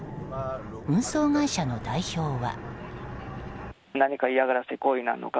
運送会社の代表は。